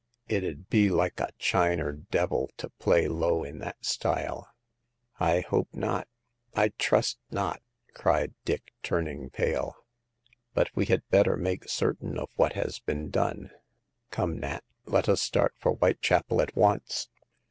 It 'ud be like a Chiner d 1 to play low in that style." I hope not, I trust not !" cried Dick, turning pale. But we had better make certain of what has been done. Come, Nat ; let us start for Whitechapel at once."